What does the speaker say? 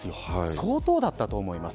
相当だったと思います。